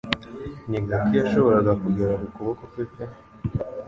ni gake yashoboraga kugera ku kuboko kwe pe